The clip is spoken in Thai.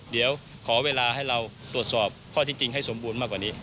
เดี๋ยวขอเวลาให้เราตรวจสอบข้อที่จริงให้สมบูรณ์มากกว่านี้